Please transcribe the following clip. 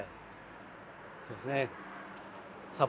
そうですね。